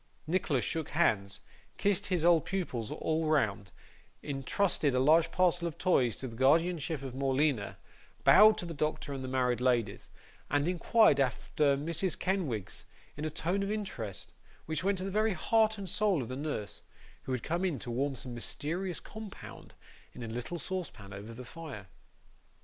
Nicholas shook hands, kissed his old pupils all round, intrusted a large parcel of toys to the guardianship of Morleena, bowed to the doctor and the married ladies, and inquired after Mrs. Kenwigs in a tone of interest, which went to the very heart and soul of the nurse, who had come in to warm some mysterious compound, in a little saucepan over the fire.